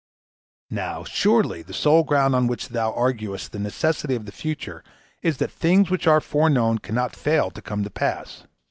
Now, surely the sole ground on which thou arguest the necessity of the future is that things which are foreknown cannot fail to come to pass.